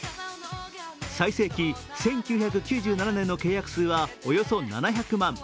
最盛期、１９９７年の契約数はおよそ７００万。